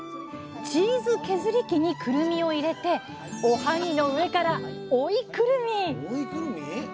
チーズ削り器にくるみを入れておはぎの上から「追いくるみ」！